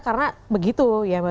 karena begitu ya mas